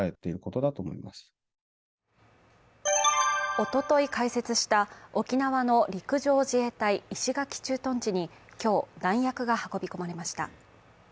おととい開設した沖縄の陸上自衛隊石垣駐屯地に今日、弾薬が運び込まれました。